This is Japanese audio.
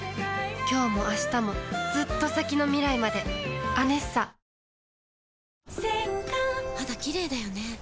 きょうもあしたもずっと先の未来まで「ＡＮＥＳＳＡ」・肌キレイだよね。